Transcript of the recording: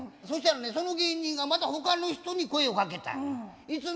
そしたらねその芸人がまた他の人に声をかけたんよ。